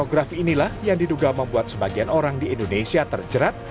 fotografi inilah yang diduga membuat sebagian orang di indonesia terjerat